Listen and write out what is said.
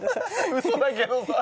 うそだけどさ！